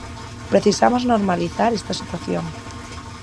Precisamos normalizar esta situación.